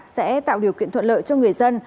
sẽ tạo điều kiện thuận lợi cho người dân